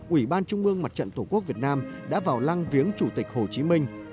ủy ban trung mương mặt trận tổ quốc việt nam đã vào lăng viếng chủ tịch hồ chí minh